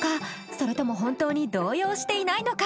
それとも本当に動揺していないのか？